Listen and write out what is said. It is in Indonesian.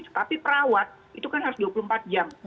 tetapi perawat itu kan harus dua puluh empat jam